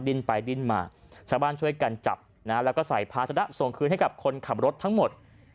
ไปดิ้นมาชาวบ้านช่วยกันจับนะฮะแล้วก็ใส่ภาชนะส่งคืนให้กับคนขับรถทั้งหมด